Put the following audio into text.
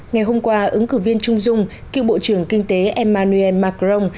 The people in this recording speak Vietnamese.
ngày hôm qua ứng cử viên trung dung cựu bộ trưởng kinh tế emmanuel macron